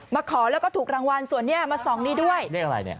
ขอแล้วก็ถูกรางวัลส่วนนี้มาส่องนี้ด้วยเลขอะไรเนี่ย